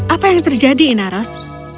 apa yang terjadi inaros